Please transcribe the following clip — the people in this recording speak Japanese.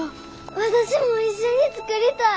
私も一緒に作りたい！